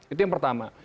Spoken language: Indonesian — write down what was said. itu yang pertama